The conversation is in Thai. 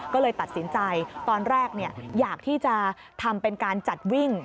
ก็เลยตัดสินใจตอนแรกอยากที่จะทำเป็นการจัดวิ่ง